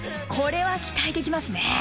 これは期待できますね！